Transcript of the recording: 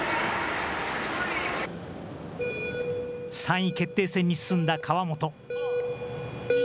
３位決定戦に進んだ川本。